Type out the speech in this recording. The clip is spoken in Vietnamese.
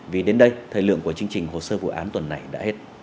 vì đến đây thời lượng của chương trình hồ sơ vụ án tuần này đã hết